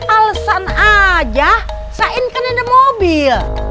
alasan aja sain kan ada mobil